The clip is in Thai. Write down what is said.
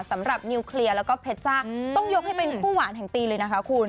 สำหรับนิวเคลียร์แล้วก็เพชรจ้าต้องยกให้เป็นคู่หวานแห่งปีเลยนะคะคุณ